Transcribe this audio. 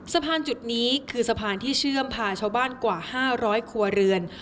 สะพานจุดนี้คือสะพานที่เชื่อมพาชาวบ้านกว่า๕๐๐ครัวเรือน